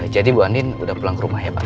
jadi bu andin udah pulang ke rumah ya pak